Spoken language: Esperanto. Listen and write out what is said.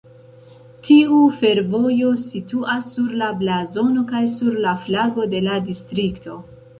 Tiu fervojo situas sur la blazono kaj sur la flago de la distrikto.